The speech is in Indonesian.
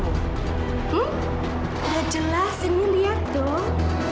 udah jelas ini lihat tuh